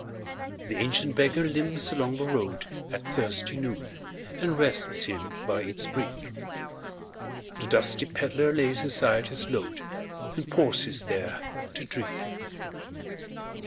The ancient beggar limps along the roadAt thirsty noon, and rests him by its brink; The dusty pedlar lays aside his load, And pauses there to drink.